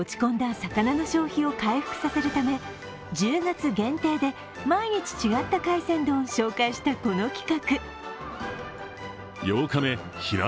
魚の消費を回復させるため１０月限定で毎日違った海鮮丼を紹介したこの企画。